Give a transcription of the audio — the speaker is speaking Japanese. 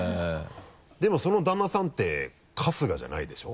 でもその旦那さんって春日じゃないでしょ？